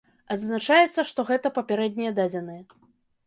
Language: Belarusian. Адзначаецца, што гэта папярэднія дадзеныя.